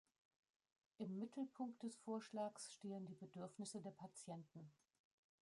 Im Mittelpunkt des Vorschlags stehen die Bedürfnisse der Patienten.